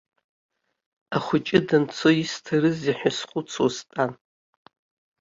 Ахәыҷы данцо исҭарызеи ҳәа схәыцуа стәан.